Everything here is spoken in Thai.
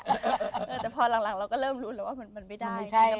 แต่พอหลังเราก็เริ่มรู้แล้วว่ามันไม่ได้